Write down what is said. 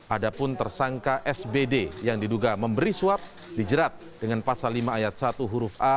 ada pun tersangka sbd yang diduga memberi suap dijerat dengan pasal lima ayat satu huruf a